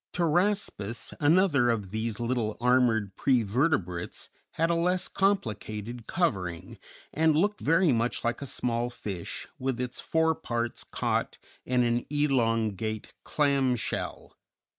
Pteraspis, another of these little armored prevertebrates, had a less complicated covering, and looked very much like a small fish with its fore parts caught in an elongate clam shell.